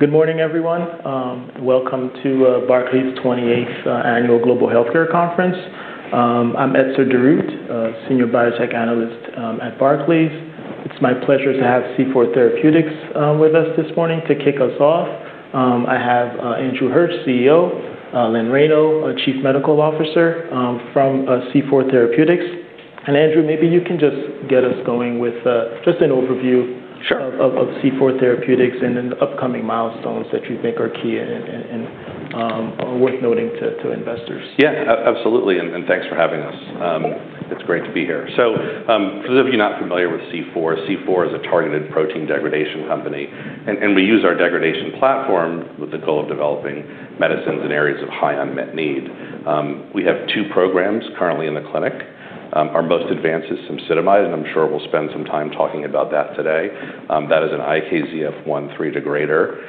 Good morning, everyone. Welcome to Barclays' 28th Annual Global Healthcare Conference. I'm Etzer Darout, a Senior Biotech Analyst at Barclays. It's my pleasure to have C4 Therapeutics with us this morning to kick us off. I have Andrew Hirsch, CEO, Leonard Reyno, Chief Medical Officer, from C4 Therapeutics. Andrew, maybe you can just get us going with just an overview- Sure. of C4 Therapeutics and then the upcoming milestones that you think are key and are worth noting to investors. Absolutely, and thanks for having us. It's great to be here. For those of you not familiar with C4 is a targeted protein degradation company, and we use our degradation platform with the goal of developing medicines in areas of high unmet need. We have two programs currently in the clinic. Our most advanced is cemsidomide, and I'm sure we'll spend some time talking about that today. That is an IKZF1/3 degrader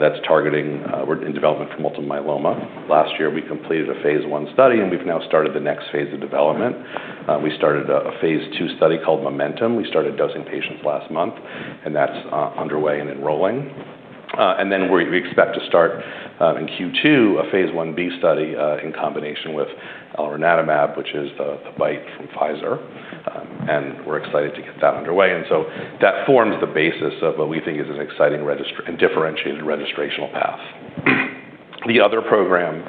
that's targeting. We're in development for multiple myeloma. Last year, we completed a Phase one study, and we've now started the next phase of development. We started a Phase two study called MOMENTUM. We started dosing patients last month, and that's underway and enrolling. We expect to start in Q2 a Phase 1B study in combination with elranatamab, which is the BiTE from Pfizer, and we're excited to get that underway. That forms the basis of what we think is an exciting and differentiated registrational path. The other program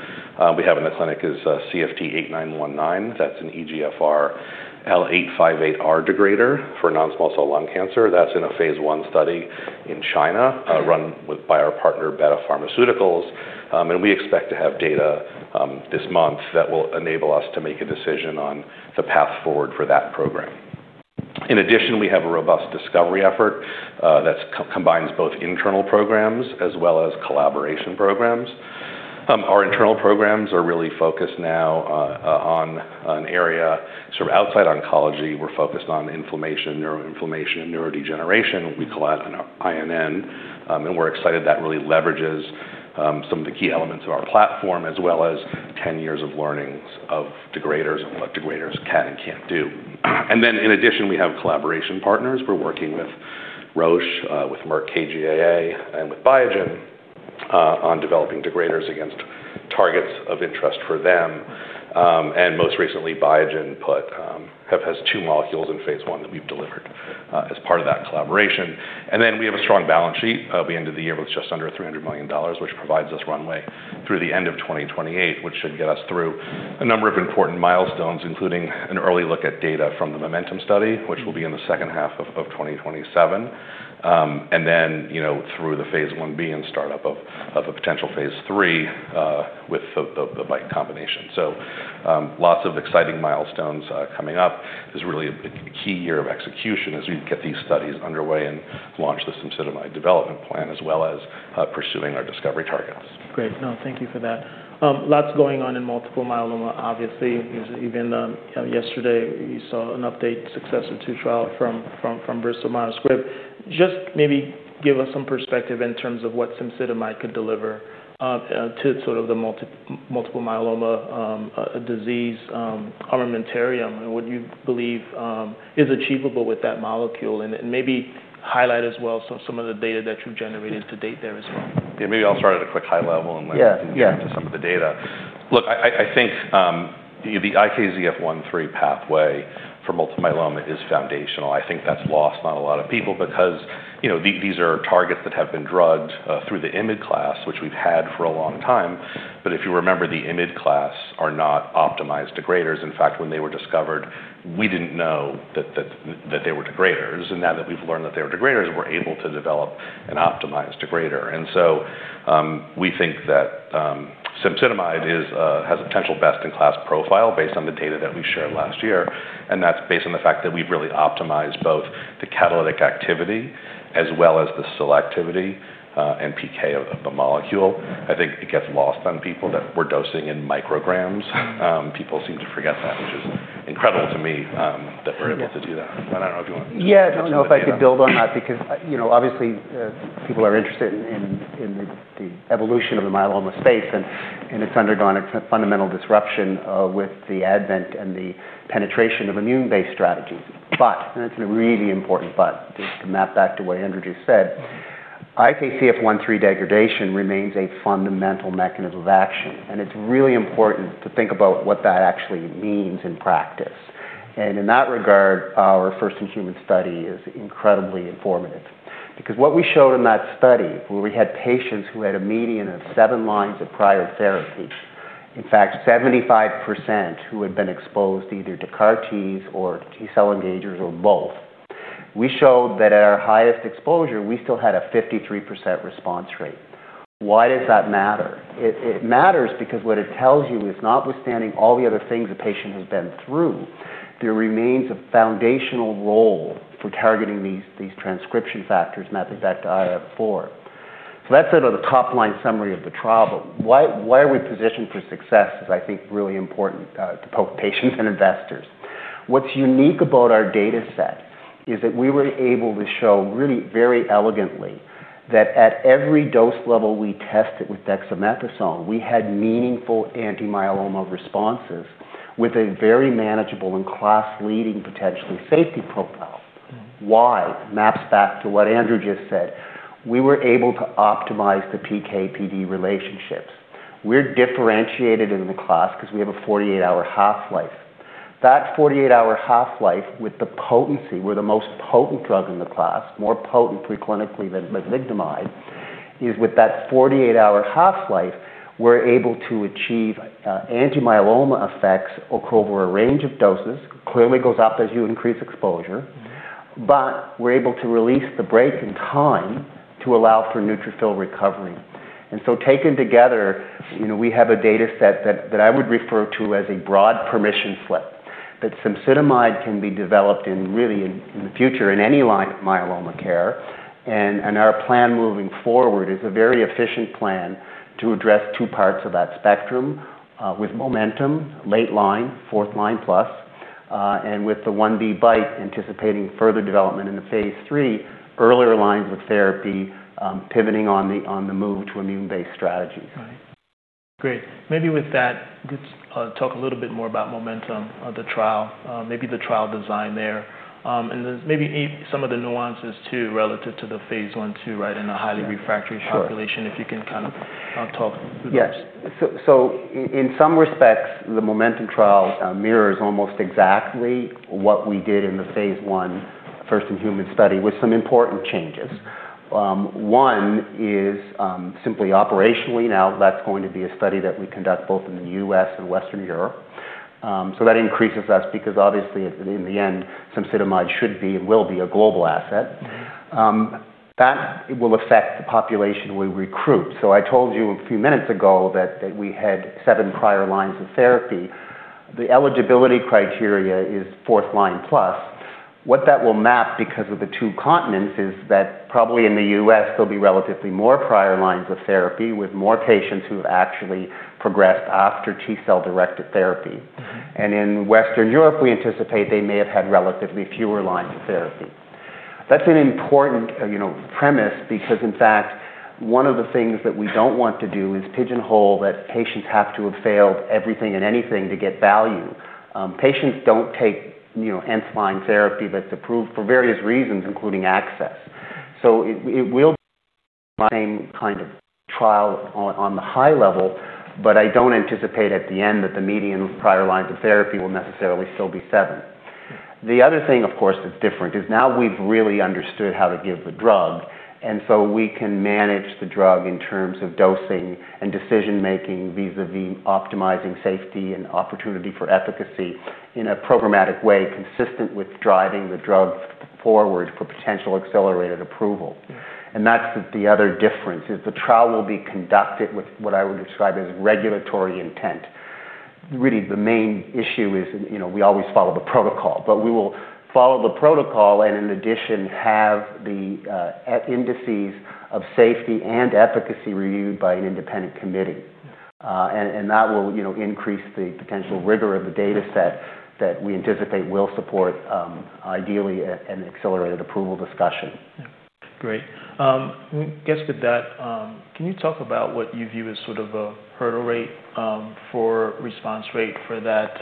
we have in the clinic is CFT8919. That's an EGFR L858R degrader for non-small cell lung cancer. That's in a Phase one study in China, run by our partner, Betta Pharmaceuticals. We expect to have data this month that will enable us to make a decision on the path forward for that program. In addition, we have a robust discovery effort that combines both internal programs as well as collaboration programs. Our internal programs are really focused now on an area sort of outside oncology. We're focused on inflammation, neuroinflammation, and neurodegeneration. We call that INN, and we're excited that really leverages some of the key elements of our platform as well as 10 years of learnings of degraders and what degraders can and can't do. In addition, we have collaboration partners. We're working with Roche, with Merck KGaA, and with Biogen on developing degraders against targets of interest for them. Most recently, Biogen has two molecules in Phase 1 that we've delivered as part of that collaboration. We have a strong balance sheet at the end of the year with just under $300 million, which provides us runway through the end of 2028, which should get us through a number of important milestones, including an early look at data from the MOMENTUM study, which will be in the second half of 2027. You know, through the Phase 1B and startup of a potential Phase three with the BiTE combination. Lots of exciting milestones coming up. This is really a key year of execution as we get these studies underway and launch the cemsidomide development plan, as well as pursuing our discovery targets. Great. No, thank you for that. Lots going on in multiple myeloma, obviously. Even yesterday, we saw an update SUCCESSOR-2 trial from Bristol Myers Squibb. Just maybe give us some perspective in terms of what cemsidomide could deliver to sort of the multiple myeloma disease armamentarium, and what you believe is achievable with that molecule, and maybe highlight as well some of the data that you've generated to date there as well. Yeah. Maybe I'll start at a quick high level and then. Yeah, yeah. We can get into some of the data. Look, I think the IKZF1/3 pathway for multiple myeloma is foundational. I think that's lost on a lot of people because, you know, these are targets that have been drugged through the IMiD class, which we've had for a long time. If you remember, the IMiD class are not optimized degraders. In fact, when they were discovered, we didn't know that they were degraders, and now that we've learned that they were degraders, we're able to develop an optimized degrader. We think that cemsidomide has a potential best-in-class profile based on the data that we shared last year, and that's based on the fact that we've really optimized both the catalytic activity as well as the selectivity and PK of the molecule. I think it gets lost on people that we're dosing in micrograms. People seem to forget that, which is incredible to me, that we're able to do that. I don't know if you want to. Yeah. I don't know if I could build on that because, you know, obviously, people are interested in the evolution of the myeloma space and it's undergone a fundamental disruption with the advent and the penetration of immune-based strategies. It's a really important but, just to map back to what Andrew just said, IKZF1/3 degradation remains a fundamental mechanism of action, and it's really important to think about what that actually means in practice. In that regard, our first-in-human study is incredibly informative because what we showed in that study where we had patients who had a median of seven lines of prior therapy, in fact, 75% who had been exposed either to CAR-Ts or T-cell engagers or both, we showed that at our highest exposure, we still had a 53% response rate. Why does that matter? It matters because what it tells you is notwithstanding all the other things the patient has been through, there remains a foundational role for targeting these transcription factors and that's exactly IKZF4. That's sort of the top-line summary of the trial, but why are we positioned for success is, I think, really important to both patients and investors. What's unique about our dataset is that we were able to show really very elegantly that at every dose level we tested with dexamethasone, we had meaningful anti-myeloma responses with a very manageable and class-leading potentially safety profile. Why? Maps back to what Andrew just said. We were able to optimize the PK/PD relationships. We're differentiated in the class because we have a 48-hour half-life. That 48-hour half-life with the potency, we're the most potent drug in the class, more potent pre-clinically than mezigdomide, is with that 48-hour half-life, we're able to achieve anti-myeloma effects across a range of doses, clearly goes up as you increase exposure, but we're able to release the brake in time to allow for neutrophil recovery. Taken together, you know, we have a data set that I would refer to as a broad permission slip, that cemsidomide can be developed really in the future in any line of myeloma care. Our plan moving forward is a very efficient plan to address two parts of that spectrum, with MOMENTUM, late line, fourth line plus, and with the BiTE anticipating further development in the Phase three, earlier lines of therapy, pivoting on the move to immune-based strategies. Right. Great. Maybe with that, just talk a little bit more about momentum of the trial, maybe the trial design there. Maybe some of the nuances too relative to the Phase one too, right in a highly refractory. Sure. population, if you can kind of talk through those. In some respects, the MOMENTUM trial mirrors almost exactly what we did in the Phase one first-in-human study with some important changes. One is simply operationally. Now, that's going to be a study that we conduct both in the U.S. and Western Europe. That increases our because obviously in the end, cemsidomide should be and will be a global asset. That will affect the population we recruit. I told you a few minutes ago that we had seven prior lines of therapy. The eligibility criteria is fourth line plus. What that will map because of the two continents is that probably in the U.S., there'll be relatively more prior lines of therapy with more patients who have actually progressed after T-cell-directed therapy. Mm-hmm. In Western Europe, we anticipate they may have had relatively fewer lines of therapy. That's an important, you know, premise because in fact, one of the things that we don't want to do is pigeonhole that patients have to have failed everything and anything to get value. Patients don't take, you know, nth line therapy that's approved for various reasons, including access. It will Mm-hmm. will be the same kind of trial on the high level, but I don't anticipate at the end that the median prior lines of therapy will necessarily still be seven. The other thing, of course, that's different is now we've really understood how to give the drug, and so we can manage the drug in terms of dosing and decision-making vis-a-vis optimizing safety and opportunity for efficacy in a programmatic way consistent with driving the drug forward for potential accelerated approval. Mm-hmm. That's the other difference, is the trial will be conducted with what I would describe as regulatory intent. Really, the main issue is, you know, we always follow the protocol, but we will follow the protocol and in addition, have the indices of safety and efficacy reviewed by an independent committee. Mm-hmm. That will, you know, increase the potential rigor of the data set that we anticipate will support, ideally an accelerated approval discussion. Yeah. Great. I guess with that, can you talk about what you view as sort of a hurdle rate for response rate for that,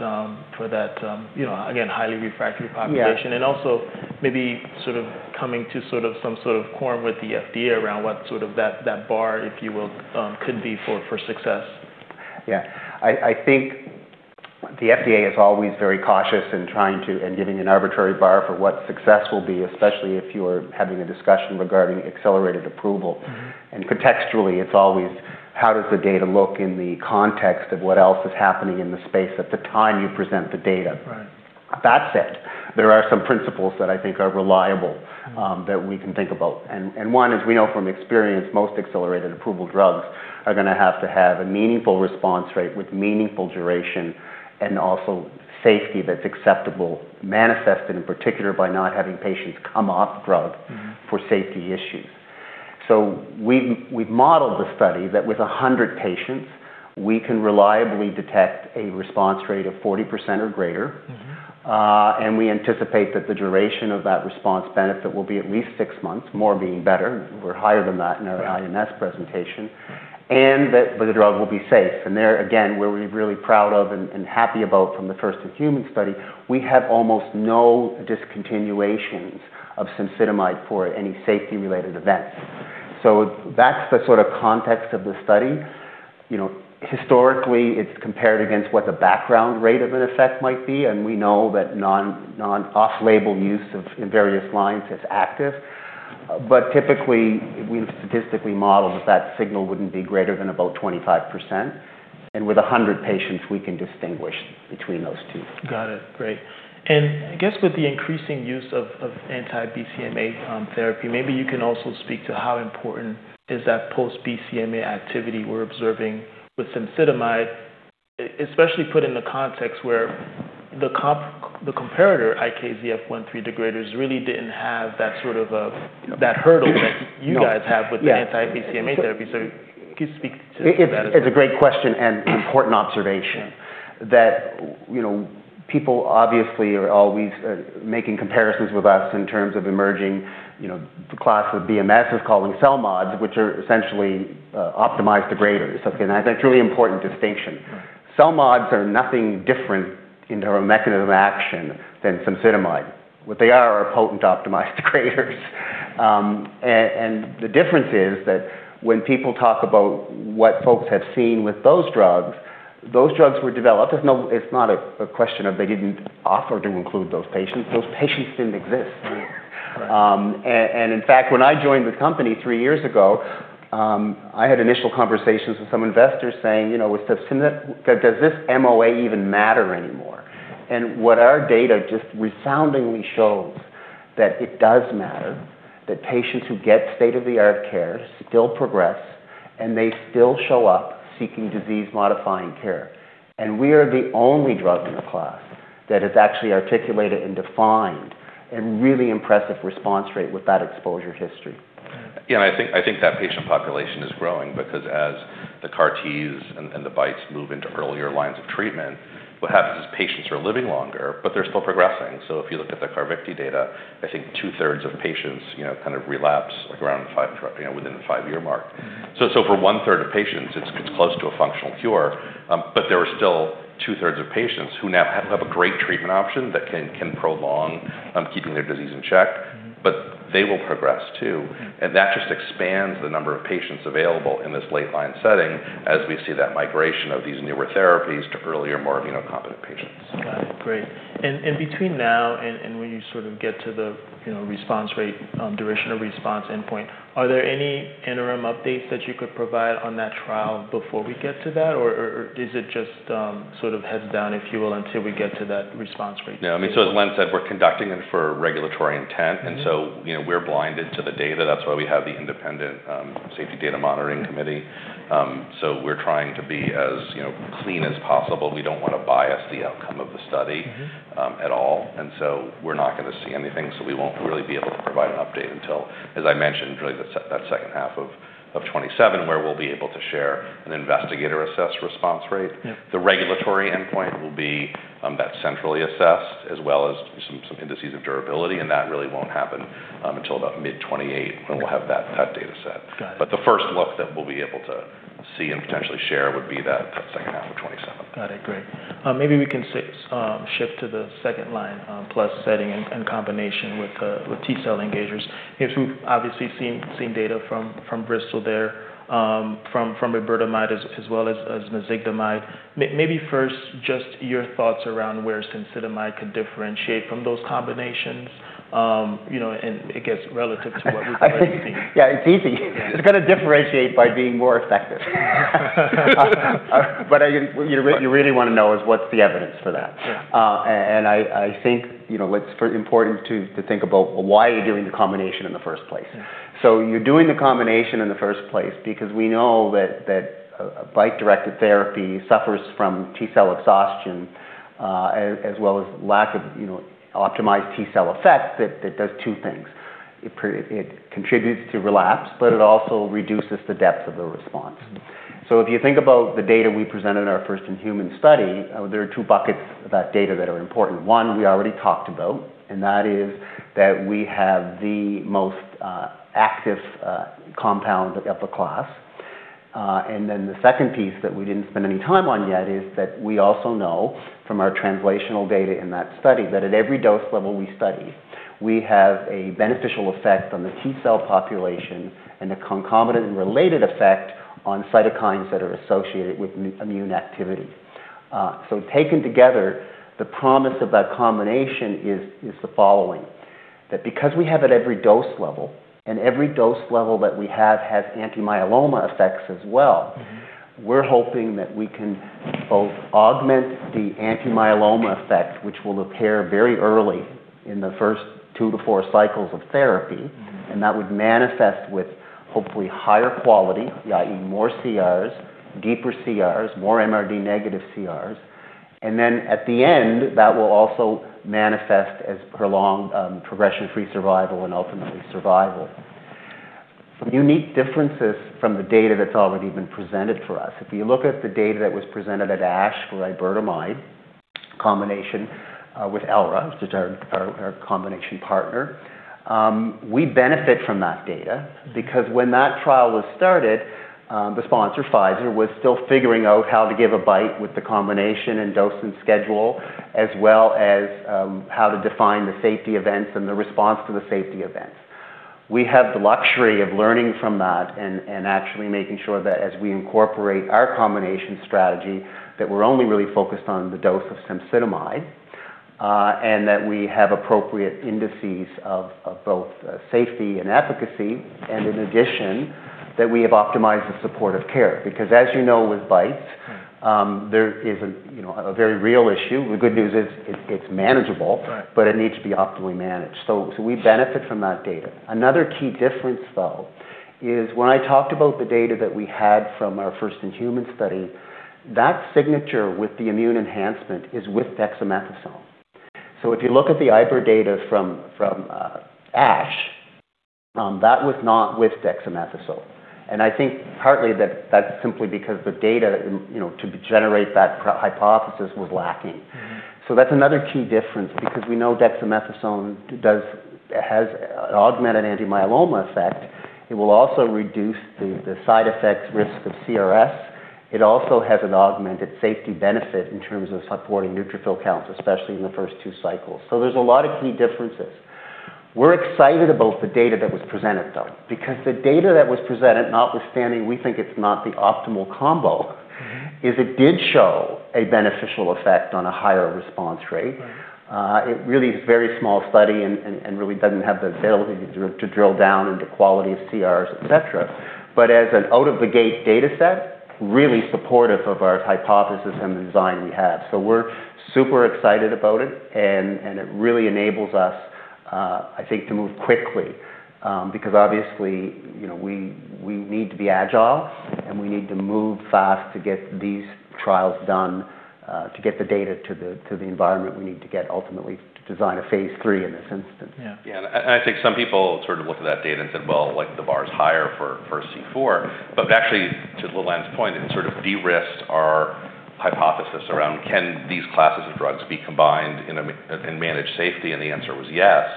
you know, again, highly refractory population? Yeah. Also maybe sort of coming to some sort of agreement with the FDA around what that bar, if you will, could be for success. Yeah. I think the FDA is always very cautious in trying to and giving an arbitrary bar for what success will be, especially if you are having a discussion regarding accelerated approval. Mm-hmm. Contextually, it's always how does the data look in the context of what else is happening in the space at the time you present the data? Right. That said, there are some principles that I think are reliable. Mm-hmm. that we can think about. One, as we know from experience, most accelerated approval drugs are gonna have to have a meaningful response rate with meaningful duration and also safety that's acceptable, manifested in particular by not having patients come off drug. Mm-hmm. -for safety issues. We've modeled the study that with 100 patients, we can reliably detect a response rate of 40% or greater. Mm-hmm. We anticipate that the duration of that response benefit will be at least six months, more being better. We're higher than that in our- Yeah. in this presentation, and that the drug will be safe. There again, we're really proud of and happy about from the first in human study, we have almost no discontinuations of cemsidomide for any safety-related events. That's the sort of context of the study. You know, historically, it's compared against what the background rate of an effect might be, and we know that non off-label use of IMiDs in various lines is active. Typically, we've statistically modeled that signal wouldn't be greater than about 25%. With 100 patients, we can distinguish between those two. Got it. Great. I guess with the increasing use of anti-BCMA therapy, maybe you can also speak to how important is that post-BCMA activity we're observing with cemsidomide, especially put in the context where the comparator IKZF1 three degraders really didn't have that sort of Yeah. that hurdle that you guys have. No. Yeah. with the anti-BCMA therapy. Can you speak to that as well? It's a great question and important observation. Yeah. that, you know, people obviously are always making comparisons with us in terms of emerging, you know, the class of BMS is calling CELMoDs, which are essentially optimized degraders. Okay. I think it's a really important distinction. Right. CELMoDs are nothing different in their mechanism of action than cemsidomide. What they are are potent optimized degraders. The difference is that when people talk about what folks have seen with those drugs, those drugs were developed. It's not a question of they didn't offer to include those patients. Those patients didn't exist. Right. In fact, when I joined the company three years ago, I had initial conversations with some investors saying, "You know, does this MOA even matter anymore?" What our data just resoundingly shows that it does matter, that patients who get state-of-the-art care still progress, and they still show up seeking disease-modifying care. We are the only drug in the class that has actually articulated and defined a really impressive response rate with that exposure history. Yeah. I think that patient population is growing because as the CAR-T and the BiTEs move into earlier lines of treatment, what happens is patients are living longer, but they're still progressing. So if you look at the Carvykti data, I think two-thirds of patients, you know, kind of relapse like around five, you know, within the five-year mark. So for one-third of patients, it's close to a functional cure. But there are still two-thirds of patients who now have a great treatment option that can prolong keeping their disease in check. Mm-hmm. But they will progress too. Mm-hmm. That just expands the number of patients available in this late-line setting as we see that migration of these newer therapies to earlier, more immunocompetent patients. Got it. Great. Between now and when you sort of get to the, you know, response rate, duration of response endpoint, are there any interim updates that you could provide on that trial before we get to that or is it just sort of heads down, if you will, until we get to that response rate? Yeah. I mean, as Len said, we're conducting them for regulatory intent and, you know, we're blinded to the data. That's why we have the independent safety data monitoring committee. We're trying to be as, you know, clean as possible. We don't wanna bias the outcome of the study. Not at all, and so we're not gonna see anything, so we won't really be able to provide an update until, as I mentioned, really that second half of 2027 where we'll be able to share an investigator-assessed response rate. Yeah. The regulatory endpoint will be that centrally assessed as well as some indices of durability, and that really won't happen until about mid-2028 when we'll have that data set. Got it. The first look that we'll be able to see and potentially share would be that second half of 2027. Got it. Great. Maybe we can shift to the second line plus setting in combination with T-cell engagers. If we've obviously seen data from Bristol there, from iberdomide as well as mezigdomide. Maybe first just your thoughts around where cemsidomide could differentiate from those combinations. You know, I guess relative to what we've already seen. I think it's easy. It's gonna differentiate by being more effective. What you really wanna know is what's the evidence for that. I think, you know, what's pretty important to think about, well, why are you doing the combination in the first place? You're doing the combination in the first place because we know that a BiTE-directed therapy suffers from T-cell exhaustion, as well as lack of, you know, optimized T-cell effect that does two things. It contributes to relapse, but it also reduces the depth of the response. If you think about the data we presented in our first-in-human study, there are two buckets of that data that are important. One, we already talked about, and that is that we have the most active compound of the class. And then the second piece that we didn't spend any time on yet is that we also know from our translational data in that study that at every dose level we study, we have a beneficial effect on the T-cell population and a concomitant and related effect on cytokines that are associated with immune activity. Taken together, the promise of that combination is the following, that because we have at every dose level, and every dose level that we have has anti-myeloma effects as well. We're hoping that we can both augment the anti-myeloma effect, which will appear very early in the first two to four cycles of therapy. Mm-hmm. That would manifest with hopefully higher quality, i.e., more CRs, deeper CRs, more MRD negative CRs. Then at the end, that will also manifest as prolonged progression-free survival and ultimately survival. Some unique differences from the data that's already been presented for us. If you look at the data that was presented at ASH for iberdomide combination with elranatamab, which is our combination partner, we benefit from that data because when that trial was started, the sponsor, Pfizer, was still figuring out how to give a BiTE with the combination and dose and schedule, as well as how to define the safety events and the response to the safety events. We have the luxury of learning from that and actually making sure that as we incorporate our combination strategy, that we're only really focused on the dose of cemsidomide, and that we have appropriate indices of both safety and efficacy, and in addition, that we have optimized the supportive care. Because as you know, with BiTEs, there is a you know, a very real issue. The good news is it's manageable but it needs to be optimally managed. We benefit from that data. Another key difference, though, is when I talked about the data that we had from our first-in-human study, that signature with the immune enhancement is with dexamethasone. If you look at the iberdomide data from ASH, that was not with dexamethasone. I think partly that's simply because the data in. You know, to generate that hypothesis was lacking. That's another key difference because we know dexamethasone does have augmented anti-myeloma effect. It will also reduce the side effects risk of CRS. It also has an augmented safety benefit in terms of supporting neutrophil counts, especially in the first two cycles. There's a lot of key differences. We're excited about the data that was presented, though, because the data that was presented, notwithstanding we think it's not the optimal combo. Mm-hmm. It did show a beneficial effect on a higher response rate. Right. It really is a very small study and really doesn't have the ability to drill down into quality of CRs, et cetera. As an out-of-the-gate data set, really supportive of our hypothesis and the design we have. We're super excited about it and it really enables us, I think, to move quickly. Because obviously, you know, we need to be agile, and we need to move fast to get these trials done, to get the data to the environment we need to get ultimately to design a Phase three in this instance. Yeah. I think some people sort of looked at that data and said, "Well, like, the bar is higher for C4." Actually, to Len's point, it sort of de-risked our hypothesis around can these classes of drugs be combined in managed safety, and the answer was yes.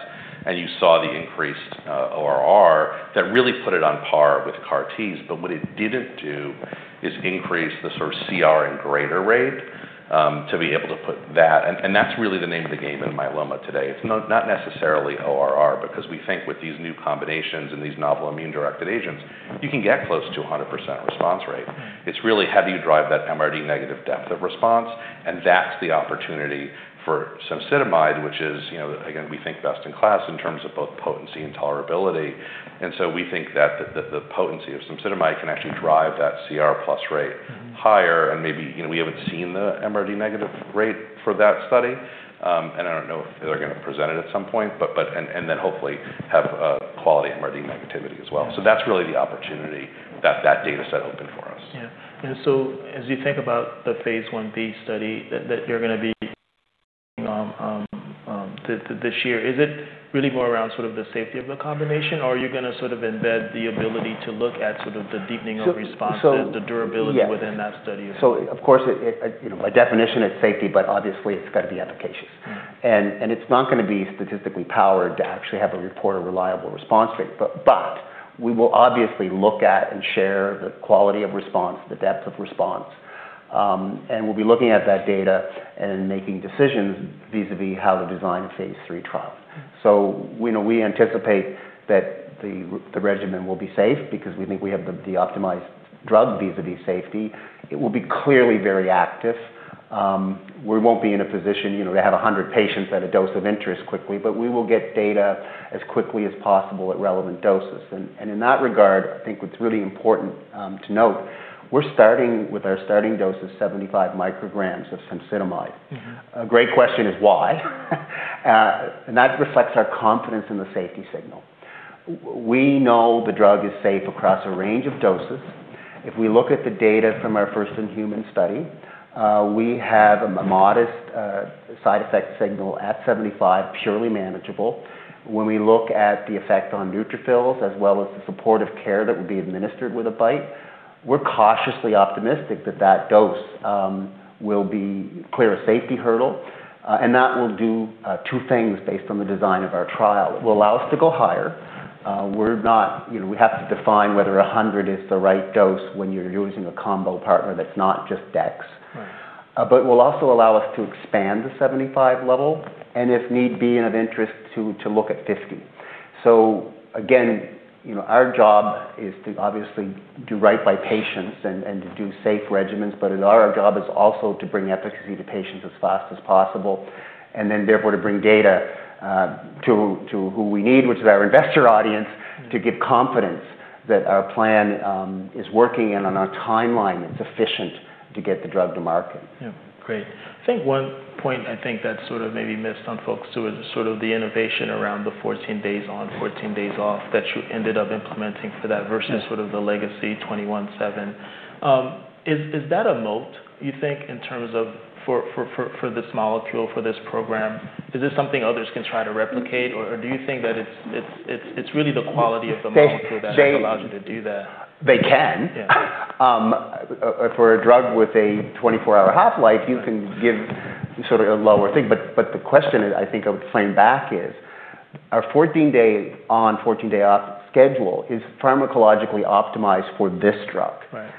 You saw the increased ORR that really put it on par with CAR-Ts. What it didn't do is increase the sort of CR and greater rate to be able to put that. That's really the name of the game in myeloma today. It's not necessarily ORR, because we think with these new combinations and these novel immune-directed agents, you can get close to 100% response rate. Mm-hmm. It's really how do you drive that MRD negative depth of response, and that's the opportunity for cemsidomide, which is, you know, again, we think, best in class in terms of both potency and tolerability. We think that the potency of cemsidomide can actually drive that CR plus rate. Mm-hmm Higher and maybe you know, we haven't seen the MRD negative rate for that study. I don't know if they're gonna present it at some point, but then hopefully have quality MRD negativity as well. That's really the opportunity that data set opened for us. Yeah. As you think about the Phase 1b study that you're gonna be this year, is it really more around sort of the safety of the combination, or are you gonna sort of embed the ability to look at sort of the deepening of response? So, so- The durability within that study? Yeah. Of course it, you know, by definition it's safety, but obviously it's gotta be efficacious. Mm-hmm. It's not gonna be statistically powered to actually have a reportedly reliable response rate. We will obviously look at and share the quality of response, the depth of response. We'll be looking at that data and making decisions vis-à-vis how to design a Phase three trial. Mm-hmm. You know, we anticipate that the regimen will be safe because we think we have the optimized drug vis-à-vis safety. It will be clearly very active. We won't be in a position, you know, to have 100 patients at a dose of interest quickly, but we will get data as quickly as possible at relevant doses. In that regard, I think what's really important to note, we're starting with our starting dose of 75 micrograms of cemsidomide. Mm-hmm. A great question is why. That reflects our confidence in the safety signal. We know the drug is safe across a range of doses. If we look at the data from our first in-human study, we have a modest side effect signal at 75, purely manageable. When we look at the effect on neutrophils as well as the supportive care that would be administered with a BiTE, we're cautiously optimistic that that dose will clear a safety hurdle. That will do two things based on the design of our trial. It will allow us to go higher. You know, we have to define whether 100 is the right dose when you're using a combo partner that's not just dex. Right. Will also allow us to expand the 75 level and, if need be and of interest, to look at 50. Again, you know, our job is to obviously do right by patients and to do safe regimens, but our job is also to bring efficacy to patients as fast as possible, and then therefore to bring data to who we need, which is our investor audience. Mm-hmm... to give confidence that our plan is working and on a timeline that's efficient to get the drug to market. Yeah. Great. I think one point that's sort of maybe missed on folks too is sort of the innovation around the 14 days on, 14 days off that you ended up implementing for that. Yeah... versus sort of the legacy 21-7. Is that a moat, you think, in terms of for this molecule, for this program? Is this something others can try to replicate? Mm-hmm do you think that it's really the quality of the molecule? They. that has allowed you to do that? They can. Yeah. for a drug with a 24-hour half-life. Right you can give sort of a lower thing. The question I think I would frame back is our 14-day on, 14-day off schedule is pharmacologically optimized for this drug. Right.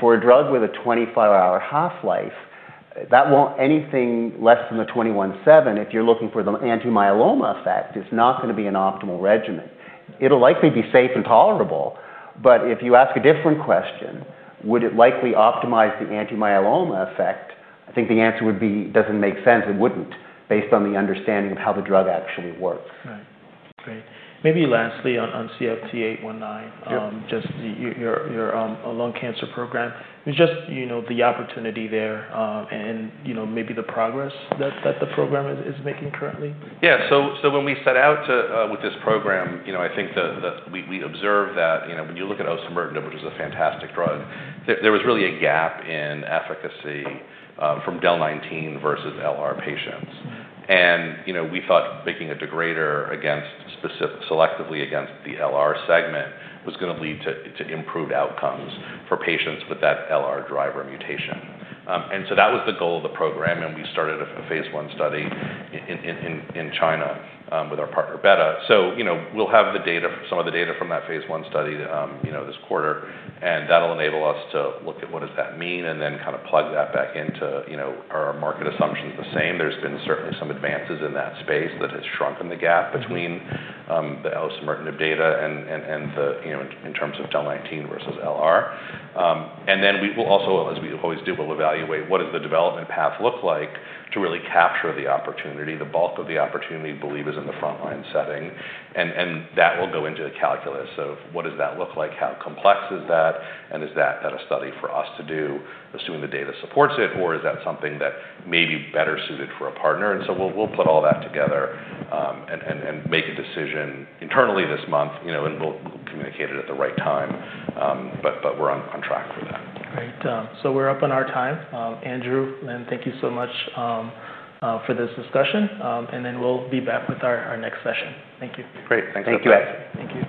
For a drug with a 24-hour half-life, anything less than the 21/7, if you're looking for the anti-myeloma effect, is not gonna be an optimal regimen. It'll likely be safe and tolerable, but if you ask a different question, would it likely optimize the anti-myeloma effect, I think the answer would be doesn't make sense, it wouldn't, based on the understanding of how the drug actually works. Right. Great. Maybe lastly on CFT8919 Yep Just your lung cancer program. Just, you know, the opportunity there, and you know, maybe the progress that the program is making currently. Yeah. When we set out with this program, you know, I think that we observed that, you know, when you look at osimertinib, which is a fantastic drug, there was really a gap in efficacy from DEL19 versus L858R patients. Mm-hmm. You know, we thought making a degrader against selectively against the L858R segment was gonna lead to improved outcomes for patients with that L858R driver mutation. That was the goal of the program, and we started a Phase one study in China with our partner Betta. You know, we'll have the data, some of the data from that Phase one study this quarter, and that'll enable us to look at what does that mean and then kinda plug that back into you know, are our market assumptions the same. There's been certainly some advances in that space that has shrunken the gap between the osimertinib data and the in terms of DEL19 versus L858R. We will also, as we always do, evaluate what the development path looks like to really capture the opportunity. The bulk of the opportunity, we believe, is in the frontline setting. That will go into the calculus of what that looks like, how complex is that, and is that a study for us to do, assuming the data supports it, or is that something that may be better suited for a partner. We'll put all that together and make a decision internally this month, you know, and we'll communicate it at the right time. We're on track for that. Great. We're up on our time. Andrew, Len, thank you so much for this discussion. We'll be back with our next session. Thank you. Great. Thanks. Thank you. Thank you.